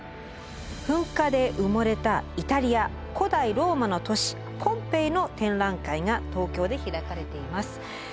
噴火で埋もれたイタリア古代ローマの都市ポンペイの展覧会が東京で開かれています。